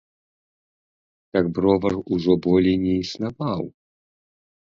Так бровар ужо болей не існаваў.